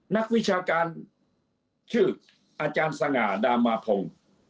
นักวิชาการชื่ออาจารย์สง่าดามาพงศ์